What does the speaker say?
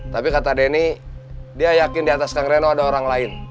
tapi kata denny dia yakin di atas kang reno ada orang lain